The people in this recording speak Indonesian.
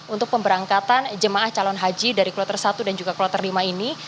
untuk pemberangkatan jemaah calon haji dari kloter satu dan juga kloter lima ini